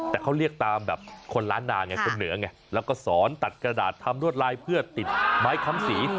แต่เขาเรียกตามแบบคนล้านนาไงคนเหนือไงแล้วก็สอนตัดกระดาษทำรวดลายเพื่อติดไม้คำสี